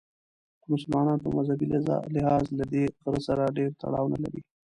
خو مسلمانان په مذهبي لحاظ له دې غره سره ډېر تړاو نه لري.